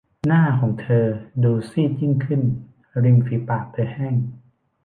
หน้าของเธอดูซีดยิ่งขึ้น ริมฝีปากเธอแห้ง